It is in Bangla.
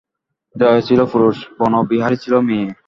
জয়া ছিল পুরুষ, বনবিহারী ছিল মেয়ে।